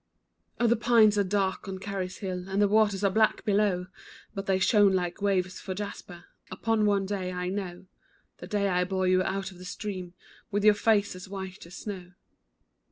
Oh the pines are dark on Carey's hill, And the waters are black below, But they shone like waves of jasper Upon one day I know, The day I bore you out of the stream, With your face as white as snow.